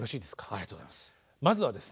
ありがとうございます。